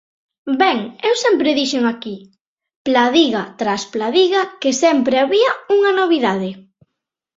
Ben, eu sempre dixen aquí, Pladiga tras Pladiga, que sempre había unha novidade.